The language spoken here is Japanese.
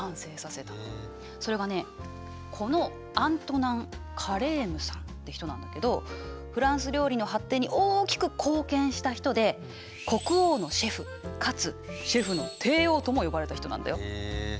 それがこのアントナン・カレームさんって人なんだけどフランス料理の発展に大きく貢献した人で国王のシェフかつシェフの帝王とも呼ばれた人なんだよ。へえ。